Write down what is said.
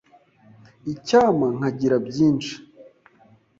Icyampa nkagira byinshi.